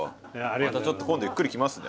またちょっと今度ゆっくり来ますね。